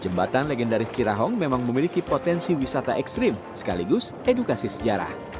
jembatan legendaris cirahhong memang memiliki potensi wisata ekstrim sekaligus edukasi sejarah